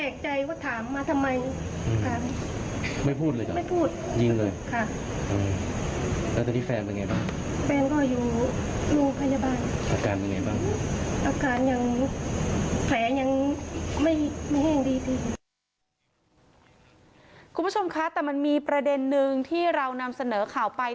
คุณผู้ชมคะแต่มันมีประเด็นนึงที่เรานำเสนอข่าวไป